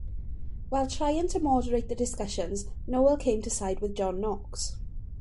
While trying to moderate the discussions, Nowell came to side with John Knox.